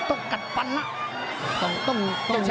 โอ้โหโอ้โหโอ้โหโอ้โหโอ้โห